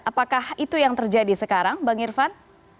apakah itu yang terjadi sekarang bang irfan